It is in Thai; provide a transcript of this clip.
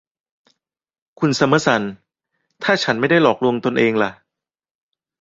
คุณซัมเมอร์ซัน ถ้าฉันไม่ได้หลอกลวงตนเองล่ะ